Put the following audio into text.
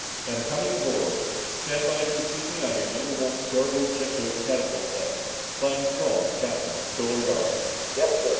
'Am coming aboard. Stand by to receive me on your number one starboard jet boat catapult deck, signed, Strong, Captain, Solar Guard.'"